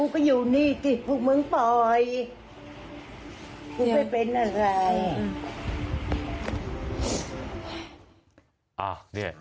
กูเป็นอะไร